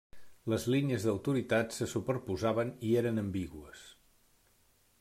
Les línies d'autoritat se superposaven i eren ambigües.